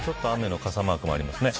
傘マークもありますね。